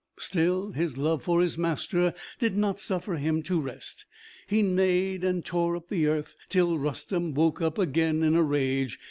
Still his love for his master did not suffer him to rest. He neighed and tore up the earth, till Rustem woke up again in a rage.